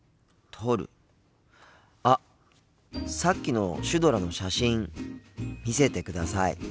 あっさっきのシュドラの写真見せてください。